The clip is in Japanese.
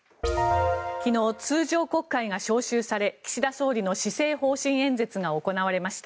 昨日、通常国会が召集され岸田総理の施政方針演説が行われました。